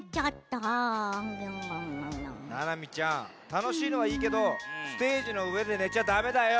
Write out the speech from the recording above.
たのしいのはいいけどステージのうえでねちゃダメだよ。